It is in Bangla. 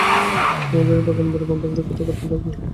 আমাদের এই বাগানবাড়ি বন্ধক রেখে টাকা তুলতে হবে।